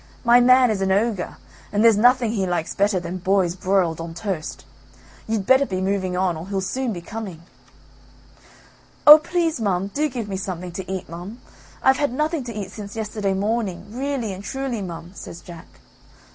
My man is an ogre and there's nothing he likes better than boys broiled on toast. You'd better be moving on or he'll soon be coming." "Oh! please mum, do give me something to eat, mum. I've had nothing to eat since yesterday morning, really and truly, mum," says Jack.